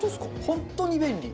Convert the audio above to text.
本当に便利。